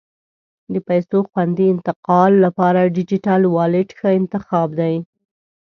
د پیسو خوندي انتقال لپاره ډیجیټل والېټ ښه انتخاب دی.